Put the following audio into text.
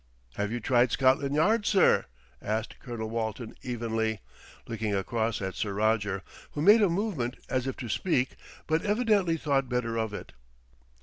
"Have you tried Scotland Yard, sir?" asked Colonel Walton evenly, looking across at Sir Roger, who made a movement as if to speak, but evidently thought better of it.